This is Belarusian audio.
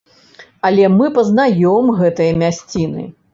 Але мы пазнаём гэтыя мясціны.